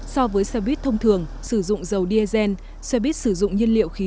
so với xe buýt thông thường sử dụng dầu diesel xe buýt sử dụng nhiên liệu khí